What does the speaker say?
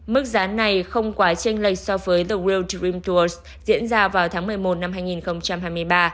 mức giá này không quá tranh lệch so với the real dream tour diễn ra vào tháng một mươi một năm hai nghìn một mươi bảy